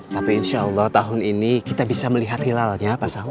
tapi insya allah tahun ini kita bisa melihat hilalnya pak sahur